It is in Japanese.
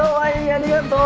ありがとう。